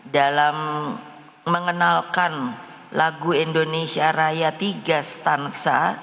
dalam mengenalkan lagu indonesia raya tiga stansa